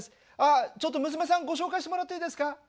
ちょっと娘さんご紹介してもらっていいですか？